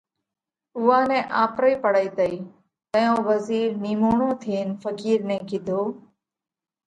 اُوئا نئہ آپرئِي پڙئِي تئِي۔ تئيون وزِير نِيموڻو ٿينَ ڦقِير نئہ ڪِيڌو: